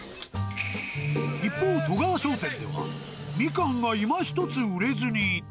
一方、外川商店では、ミカンがいまひとつ売れずにいた。